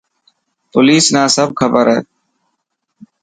پوليس نا سب کبر هي.